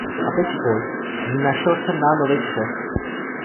A teď pojď, našel jsem nám novej kšeft.